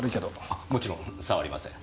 あもちろん触りません。